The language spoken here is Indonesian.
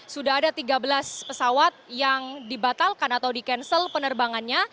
sudah ada tiga belas pesawat yang dibatalkan atau di cancel penerbangannya